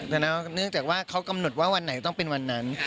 แต่เนื่องจากว่าเขากำหนดว่าวันไหนต้องเป็นวันนั้น